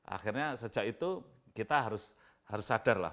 akhirnya sejak itu kita harus sadar lah